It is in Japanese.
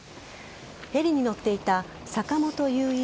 ヘリに乗っていた坂本雄一